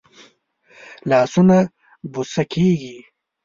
لاسونه بوسه کېږي